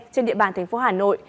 trên địa bàn thành phố hà nội